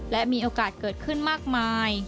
และมีโอกาสเกิดขึ้นมากมาย